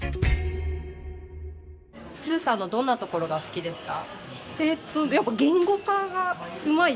スーさんのどんなところが好きですか？